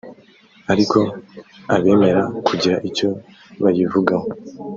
ariko abemera kugira icyo bayivugaho